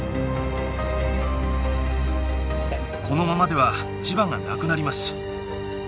このままでは磁場がなくなります。